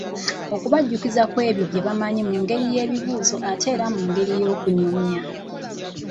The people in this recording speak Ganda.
Okubajjukiza ku ebyo bye bamanyi mu ngeri ya bibuuzo ate era mu ngeri ey’okunyumya.